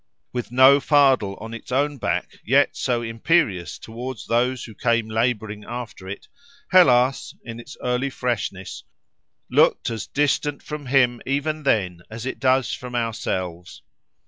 With no fardel on its own back, yet so imperious towards those who came labouring after it, Hellas, in its early freshness, looked as distant from him even then as it does from ourselves.